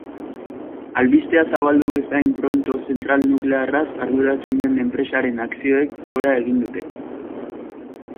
Albistea zabaldu bezain pronto zentral nuklearraz arduratzen den enpresaren akzioek gora egin dute.